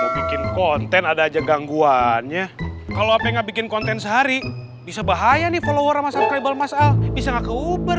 bikin konten ada aja gangguannya kalo ap gak bikin konten sehari bisa bahaya nih followers nya readble ahr bisa gak gober